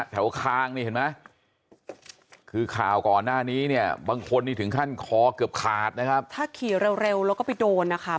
พอเกือบขาดนะครับถ้าขี่เร็วเร็วแล้วก็ไปโดนนะคะ